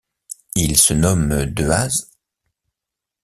Il se nomme Dehaze.